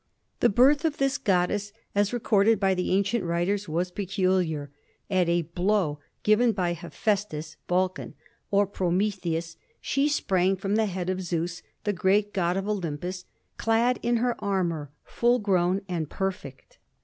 The birth of this goddess as recorded by the ancient writers was peculiar. At a blow given by Hephæstus (Vulcan) or Prometheus, she sprang from the head of Zeus, the great god of Olympus, clad in her armor, full grown, and perfect.